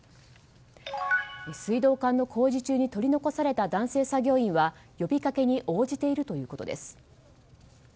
水道管の工事中に取り残された男性作業員は呼びかけに応じているということです。